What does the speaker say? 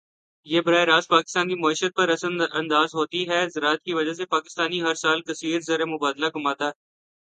یہ براہِ راست پاکستان کی معیشت پر اثر اندازہوتی ہے۔ زراعت کی وجہ سے پاکستان ہر سال کثیر زرمبادلہ کماتا ہے.